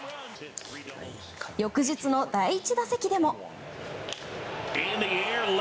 翌日の第１打席でも。